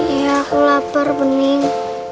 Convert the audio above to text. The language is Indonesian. iya aku lapar bening